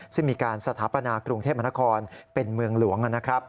ซึ่งมีการสถาปนากรุงเทพมนาคอลเป็นเมืองหลวง